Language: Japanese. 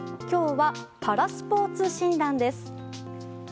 今日はパラスポーツ診断です。